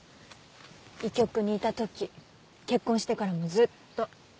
医局にいた時結婚してからもずっと。